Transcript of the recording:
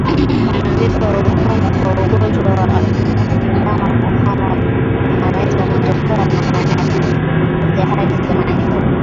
Vifo kwa ugonjwa wa ndama kuhara vinaweza kutokea kwa asimilia moja hadi thelathini